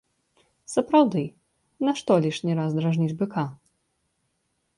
Сапраўды, нашто лішні раз дражніць быка?